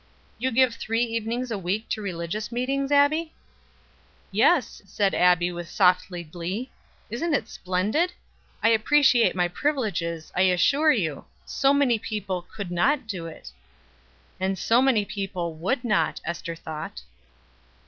"Do you give three evenings a week to religious meetings, Abbie?" "Yes," said Abbie with softly glee; "isn't it splendid? I appreciate my privileges, I assure you; so many people could not do it." "And so many people would not" Ester thought.